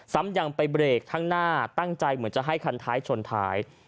ซ้ำยังไปเบรกข้างหน้าตั้งใจเหมือนจะให้คันท้ายชนท้าย